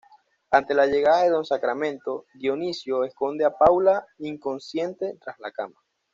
Ante la llegada de don Sacramento Dionisio esconde a Paula, inconsciente, tras la cama.